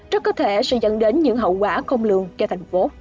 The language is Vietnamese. rất có thể sẽ dẫn đến những hậu quả khôn lường cho thành phố